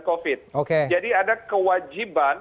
covid jadi ada kewajiban